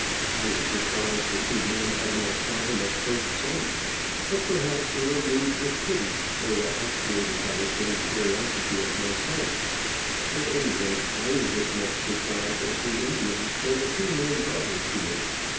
I was surprised the two men had not shot him at first sight ; but perhaps they were moved with pity, or were actuated by the same curiosity as myself — at any rate, I was as much surprised as the Indian when the two men brought him to me.